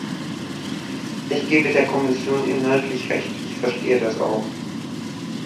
Ich gebe der Kommission inhaltlich recht, ich verstehe das auch.